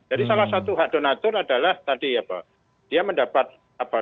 jadi salah satu hak donatur adalah tadi ya pak